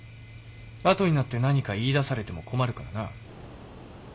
後になって何か言いだされても困るからなあ。